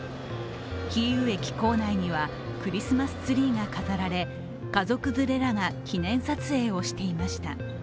キーウ駅構内にはクリスマスツリーが飾られ家族連れらが記念撮影をしていました。